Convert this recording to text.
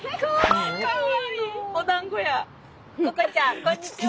ここちゃんこんにちは！